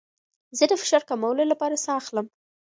زه د فشار کمولو لپاره ساه اخلم.